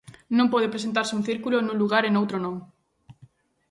Non pode presentarse un círculo nun lugar e noutro non.